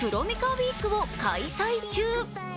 ＷＥＥＫを開催中。